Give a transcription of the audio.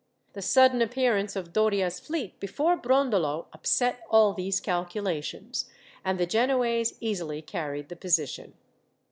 The sudden appearance of Doria's fleet before Brondolo upset all these calculations, and the Genoese easily carried the position.